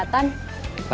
lydia mana gak keliatan